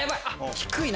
低いな。